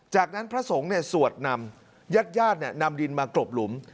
จากนั้นพระสงฆ์เนี่ยสวรรค์นำยัดย่าหนัมดินมากรบหลุม